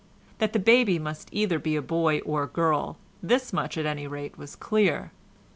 That the baby must be either a boy or girl—this much, at any rate, was clear.